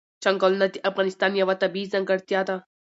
چنګلونه د افغانستان یوه طبیعي ځانګړتیا ده.